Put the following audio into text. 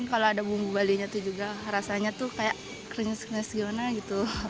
kalau ada bumbu balinya rasanya keringis keringis